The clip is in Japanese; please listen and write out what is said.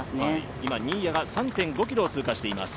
今、新谷が３．５ｋｍを通過しています。